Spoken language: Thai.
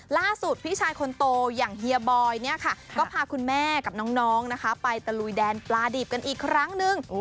พี่ชายคนโตอย่างเฮียบอยเนี่ยค่ะก็พาคุณแม่กับน้องนะคะไปตะลุยแดนปลาดิบกันอีกครั้งนึง